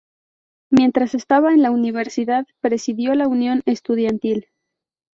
Mientras estaba en la universidad, presidió la unión estudiantil.